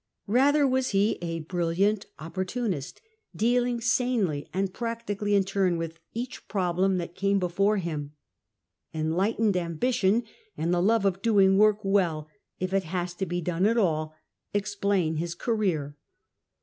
Bather was he a brilliant opportunist, dealing sanely and practically in turn with each problem that came before him. Enlightened ambition and the love of doing work well, if it has to be done at all, explain his career.